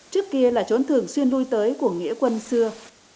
trước kia là trốn thường xuyên lui tới của nghĩa quân xưa